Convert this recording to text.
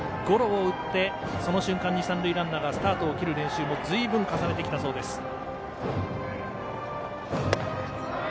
ゴロを打ってその瞬間に三塁ランナーがスタートを切る練習もずいぶん重ねてきたそうです。